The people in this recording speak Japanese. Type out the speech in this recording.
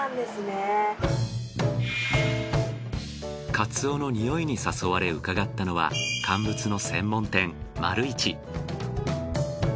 かつおの匂いに誘われうかがったのは乾物の専門店丸一。